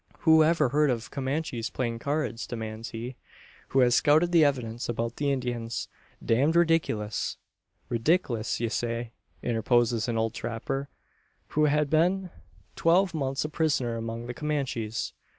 "Who ever heard of Comanches playing cards?" demands he, who has scouted the evidence about the Indians. "Damned ridiculous!" "Ridiklus ye say!" interposes an old trapper who had been twelve months a prisoner among the Comanches.